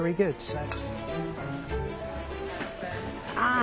あ。